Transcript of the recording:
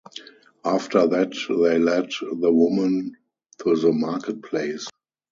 After that, they led the woman to the marketplace.